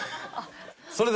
それでは。